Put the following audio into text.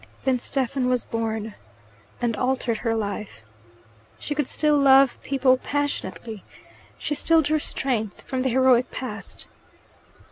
Then Stephen was born, and altered her life. She could still love people passionately; she still drew strength from the heroic past.